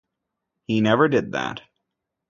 He never did that.